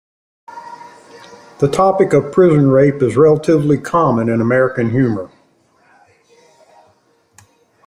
The topic of prison rape is relatively common in American humor.